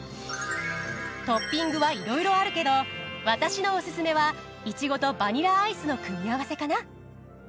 トッピングはいろいろあるけど私のおすすめはイチゴとバニラアイスの組み合わせかな。